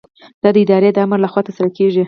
دا د ادارې د آمر له خوا ترسره کیږي.